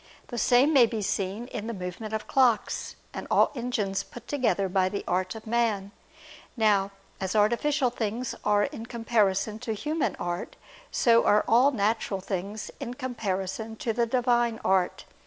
The same may be seen in the movements of clocks and all engines put together by the art of man. Now as artificial things are in comparison to human art, so are all natural things in comparison to the Divine art.